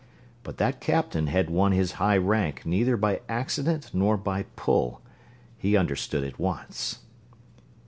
But that captain had won his high rank neither by accident nor by "pull" he understood at once.